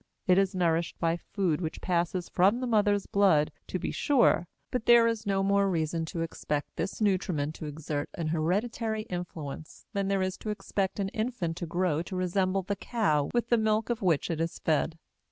It is nourished by food which passes from the mother's blood, to be sure, but there is no more reason to expect this nutriment to exert an hereditary influence than there is to expect an infant to grow to resemble the cow with the milk of which it is fed.